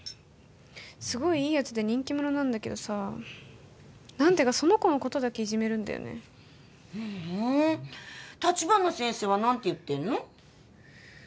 すごいいいヤツで人気者なんだけどさ何でかその子のことだけいじめるんだよねふん立花先生は何て言ってんの？